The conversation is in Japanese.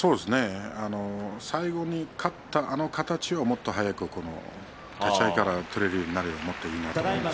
最後に取ったあの形をもっと速く立ち合いから取れるようになるともっといいなと思います。